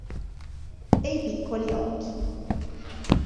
E i piccoli occhi.